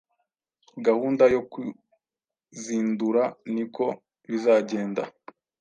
gahunda yo kwizindura niko bizagenda